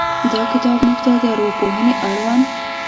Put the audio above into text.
دا کتاب موږ ته د ارواپوهنې اړوند